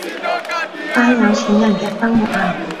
班有錢人嘅生活啊